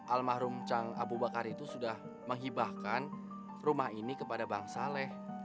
almarhum cang abu bakar itu sudah menghibahkan rumah ini kepada bang saleh